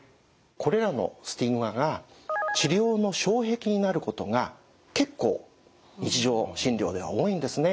これらのスティグマが治療の障壁になることが結構日常診療では多いんですね。